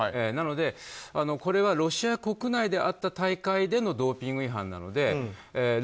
なので、これはロシア国内であった大会でのドーピング違反なのでＲＵＳＡＤＡ